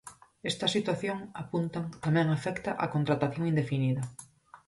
Esta situación, apuntan, "tamén afecta á contratación indefinida".